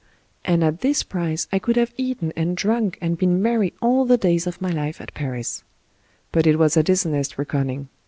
And at this price I could have eaten and drunk and been merry all the days of my life at Paris; but it was a dis honest reckoning.